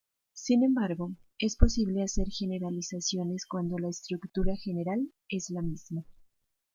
Sin embargo, es posible hacer generalizaciones cuando la estructura general es la misma.